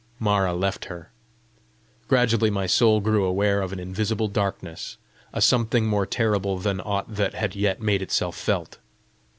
Mara left her. Gradually my soul grew aware of an invisible darkness, a something more terrible than aught that had yet made itself felt.